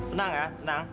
tenang ya tenang